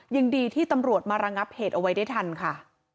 ยังดีที่ตำรวจมาระงับเหตุเอาไว้ได้ทันค่ะ